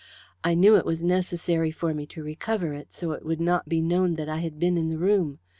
I knew it was necessary for me to recover it so it would not be known that I had been in the room.